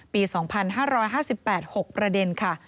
ปี๒๕๕๘๖ประเด็นค่ะ